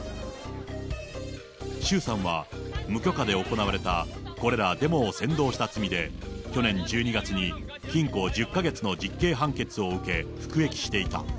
周さんは無許可で行われたこれらデモを扇動した罪で、去年１２月に禁錮１０か月の実刑判決を受け、服役していた。